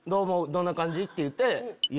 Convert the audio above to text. どんな感じ？って言うて。